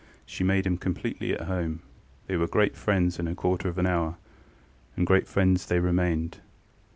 She made him completely at home; they were great friends in a quarter of an hour: and great friends they remained.